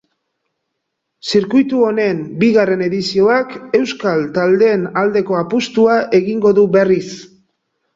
Zirkuitu honen bigarren edizioak euskal taldeen aldeko apustua egingo du berriz.